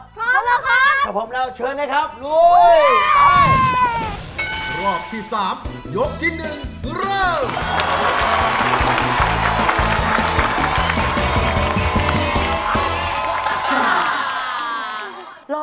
พร้อมแล้วครับพร้อมแล้วเชิญนะครับรู้ไปรอบที่สามยกที่หนึ่งเริ่ม